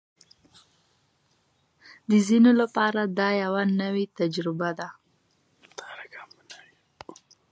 د ځینو لپاره دا یوه نوې تجربه ده